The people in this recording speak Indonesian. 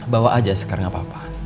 bawa aja sekar gak apa apa